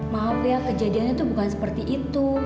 maaf ya kejadiannya itu bukan seperti itu